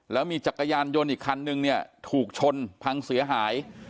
แล้วมีจักรยานยนต์อีกคันนึงเนี่ยถูกชนพังเสียหาย